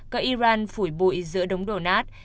cỡ iran phủi bụi giữa đống đổ nát